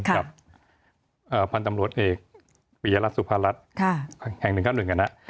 กับพันธุ์ตำรวจเอกปียรัฐสุภารัฐแห่ง๑๙๑นะ